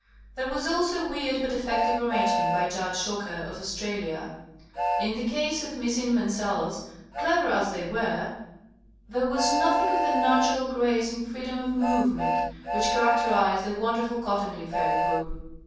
There was also a weird but effective ar rangement by Judge Docker, of Australia. In the case of Miss Inman 's elves, clever as they were, there was nothing of the natural grace and freedom of movement which char acterize the wonderful Cottingley fairy group.